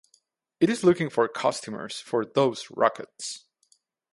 It is looking for customers for those rockets.